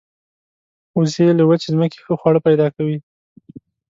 وزې له وچې ځمکې ښه خواړه پیدا کوي